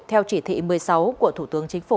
theo chỉ thị một mươi sáu của thủ tướng chính phủ